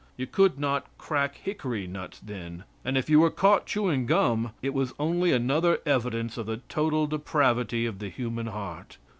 You could not crack hickory nuts then. And if you were caught chewing gum, it was only another evidence of the total depravity of the human heart.